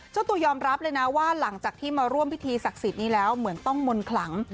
เจ้าตัวยอมรับเลยนะว่าหลังจากที่มาร่วมพิธีศักดิ์สิทธิ์นี้แล้วเหมือนต้องมนต์ขลัง